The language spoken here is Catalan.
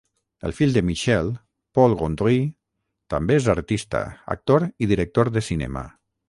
El fill de Michel, Paul Gondry, també és artista, actor i director de cinema.